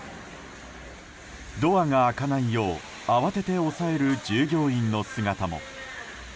ドアが開かないよう慌てて押さえる従業員の姿も。